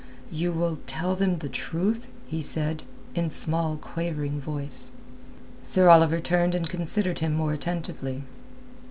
you will tell them the truth?" he said, in small, quavering voice. Sir Oliver turned and considered him more attentively.